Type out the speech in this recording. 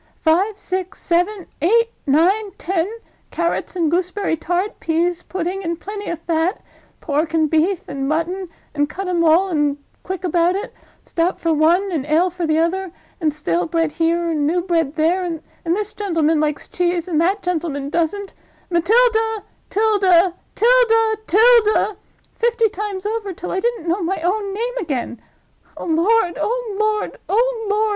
Five, six, seven, eight, nine, ten. Carrots and gooseberry tart—pease pudding and plenty of fat—pork and beef and mutton, and cut 'em all, and quick about it—stout for one, and ale for t'other—and stale bread here, and new bread there—and this gentleman likes cheese, and that gentleman doesn't—Matilda, Tilda, Tilda, Tilda, fifty times over, till I didn't know my own name again—oh lord! oh lord!! oh lord!!!